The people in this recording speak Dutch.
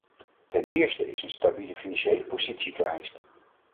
Ten eerste is een stabiele financiële positie vereist.